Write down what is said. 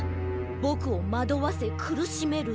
ぼくをまどわせくるしめる。